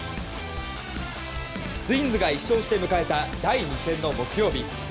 ツインズが１勝して迎えた第２戦の木曜日。